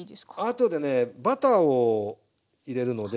後でねバターを入れるので。